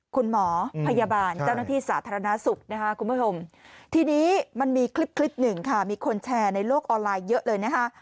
คุณหมอพยาบาลเจ้าหน้าที่สาธารณสุขนะคะคุณผู้ชมทีนี้มันมีคลิปคลิปหนึ่งค่ะมีคนแชร์ในโลกออนไลน์เยอะเลยนะคะ